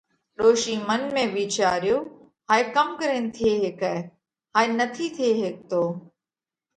ڏوشِي منَ ۾ وِيچاريو، هائي ڪم ڪرينَ ٿي هيڪئه؟ هائي نٿِي ٿي هيڪتو۔